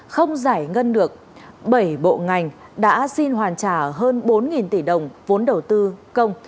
không giải ngân được bảy bộ ngành đã xin hoàn trả hơn bốn tỷ đồng vốn đầu tư công